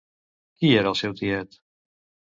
Qui era el seu tiet?